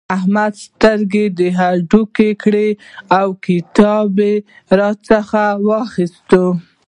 احمد سترګې د هډوکې کړې او کتاب يې راڅخه واخيست.